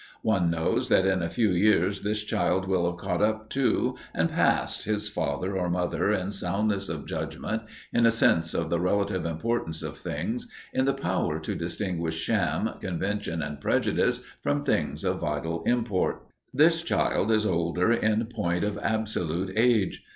One knows that in a few years this child will have caught up to and passed his father or mother in soundness of judgment, in a sense of the relative importance of things, in the power to distinguish sham, convention and prejudice from things of vital import. This child is older in point of Absolute Age.